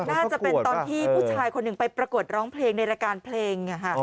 น่าจะเป็นตอนที่ผู้ชายคนหนึ่งไปประกวดร้องเพลงในรายการเพลง